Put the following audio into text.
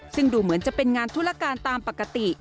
ซึ่งดูเหมือนจะเป็นงานธุรการตามปกติ